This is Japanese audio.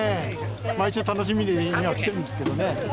毎週楽しみに来ているんですけどね。